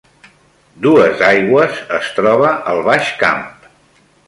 Duesaigües es troba al Baix Camp